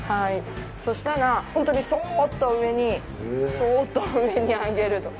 そしたら、本当にそうっと上に、そうっと上に上げると。